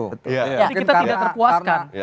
jadi kita tidak terpuaskan